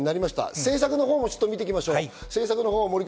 政策も見ていきましょう。